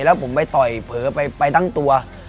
แล้วผมไปต่อยเผลอไปทั้งตัว